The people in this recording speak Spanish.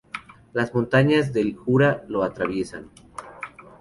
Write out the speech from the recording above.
Las montañas del Jura lo atraviesan.